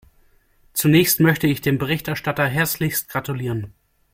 Zunächst möchte ich dem Berichterstatter herzlichst gratulieren.